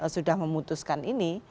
sudah memutuskan ini